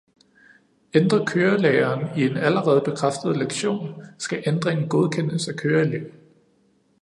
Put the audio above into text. Ændrer kørelæreren i en allerede bekræftet lektion, skal ændringen godkendes af køreeleven